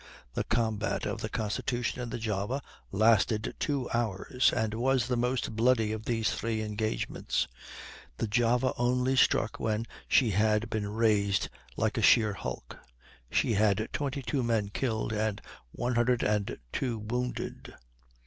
The combat of the Constitution and the Java lasted two hours, and was the most bloody of these three engagements. The Java only struck when she had been razed like a sheer hulk; she had twenty two men killed and one hundred and two wounded.